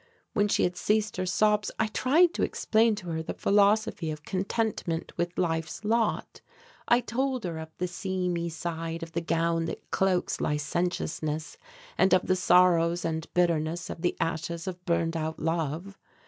When she had ceased her sobs I tried to explain to her the philosophy of contentment with life's lot. I told her of the seamy side of the gown that cloaks licentiousness and of the sorrows and bitterness of the ashes of burned out love.